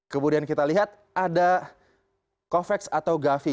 kemudian kita lihat ada covax atau gavi